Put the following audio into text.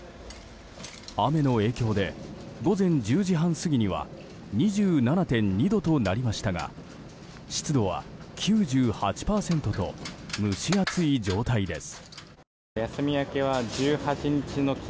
雨の影響で午前１０時半過ぎには２７．２度となりましたが湿度は９８％と蒸し暑い状態です。